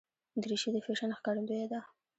دریشي د فیشن ښکارندویه ده.